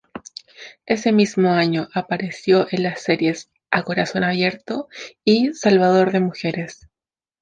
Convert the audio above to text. Ese mismo año apareció en las series "A corazón abierto" y "Salvador de mujeres".